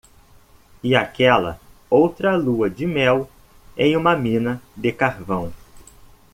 E aquela outra lua de mel em uma mina de carvão!